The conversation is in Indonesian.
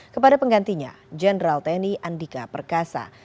kepada penggantinya jenderal tni andika perkasa